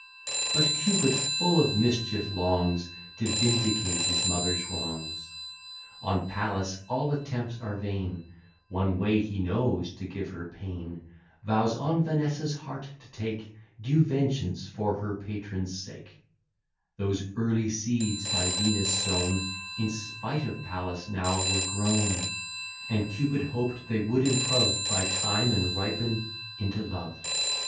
But Cupid, full of mischief, longs To vindicate his mother's wrongs. On Pallas all attempts are vain: One way he knows to give her pain; Vows on Vanessa's heart to take Due vengeance, for her patron's sake; Those early seeds by Venus sown, In spite of Pallas now were grown; And Cupid hoped they would improve By time, and ripen into love.